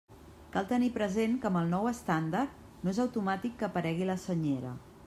Cal tenir present que amb el nou estàndard no és automàtic que aparegui la Senyera.